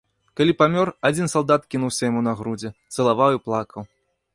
Калі памёр, адзін салдат кінуўся яму на грудзі, цалаваў і плакаў.